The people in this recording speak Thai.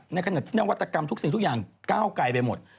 ในขณะที่นวัตกรรมทุกสิ่งทุกอย่างก้าวไกลไปหมด